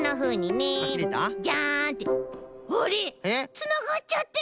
つながっちゃってる！